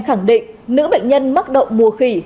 khẳng định nữ bệnh nhân mắc động mùa khỉ